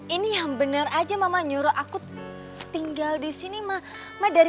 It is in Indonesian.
ini yang benar aja mama nyuruh aku tinggal di sini ma dari